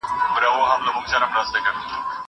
هغه وويل چي انځورونه مهم دي.